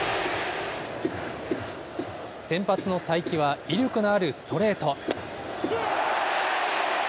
先発の才木は威力のあるストレート。